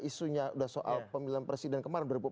isunya sudah soal pemilihan presiden kemarin dua ribu empat belas